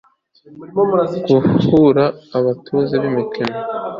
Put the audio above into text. guhugura abatoza b'imikino